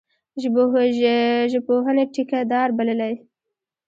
ژبپوهني ټیکه دار بللی.